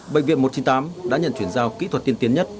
bệnh viện một trăm chín mươi tám đã nhận chuyển giao kỹ thuật tiên tiến nhất